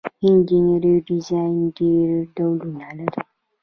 انجنیری ډیزاین ډیر ډولونه لري.